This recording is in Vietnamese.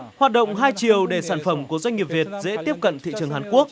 hoạt động hai chiều để sản phẩm của doanh nghiệp việt dễ tiếp cận thị trường hàn quốc